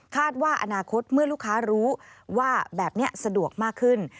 ว่าอนาคตเมื่อลูกค้ารู้ว่าแบบนี้สะดวกมากขึ้น